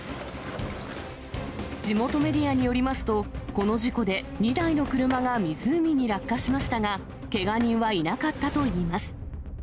地元メディアによりますと、この事故で２台の車が湖に落下しましたが、けが人はいなかったといいます。